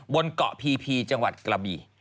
บนเกาะพีพีจังหวัดกระบี่